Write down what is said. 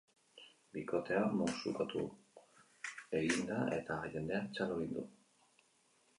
Bikotea musukatu egin da eta jendeak txalo egin du.